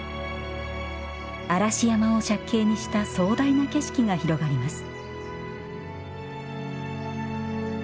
嵐山を借景にした壮大な景色が広がります